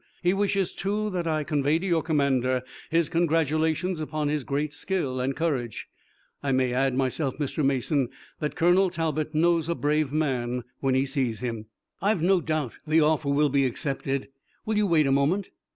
He wishes, too, that I convey to your commander his congratulations upon his great skill and courage. I may add, myself, Mr. Mason, that Colonel Talbot knows a brave man when he sees him." "I've no doubt the offer will be accepted. Will you wait a moment?"